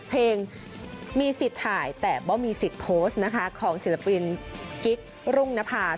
เพลงมีสิทธิ์ถ่ายแต่บ้าวมีสิทธิ์โพสต์ของศิลปินกิ๊กรุ้งนภาคศ์